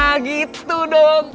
nah gitu dong